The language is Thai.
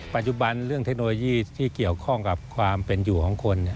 ปัจจุบันเรื่องเทคโนโลยีที่เกี่ยวข้องกับความเป็นอยู่ของคน